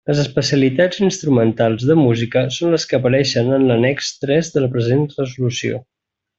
Les especialitats instrumentals de Música són les que apareixen en l'annex tres de la present resolució.